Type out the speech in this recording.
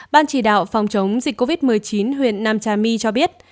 ban chỉ đạo phòng chống dịch covid một mươi chín huyện nam trà my cho biết